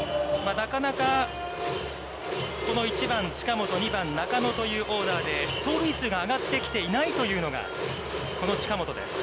なかなかこの１番近本、２番中野というオーダーで盗塁数が上がってきていないというのがこの近本です。